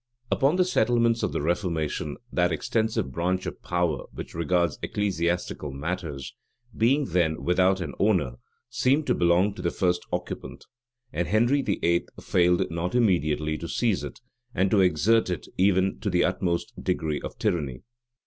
Upon the settlement of the reformation, that extensive branch of power which regards ecclesiastical matters, being then without an owner, seemed to belong to the first occupant; and Henry VIII. failed not immediately to seize it, and to exert it even to the utmost degree of tyranny.